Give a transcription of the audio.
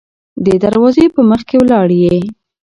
د دروازې په مخکې ولاړ يې.